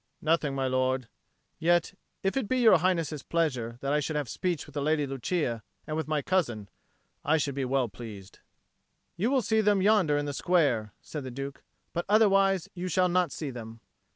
"Nothing, my lord. Yet if it be Your Highness's pleasure that I should have speech with the Lady Lucia and with my cousin, I should be well pleased." "You will see them yonder in the square," said the Duke. "But otherwise you shall not see them."